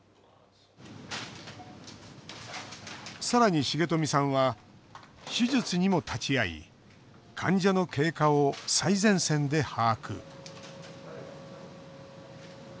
さらに、重冨さんは手術にも立ち会い患者の経過を最前線で把握。